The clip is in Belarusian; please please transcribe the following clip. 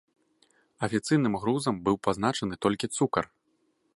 Афіцыйным грузам быў пазначаны толькі цукар.